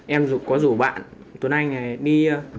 em có rủ bạn tuấn anh này đi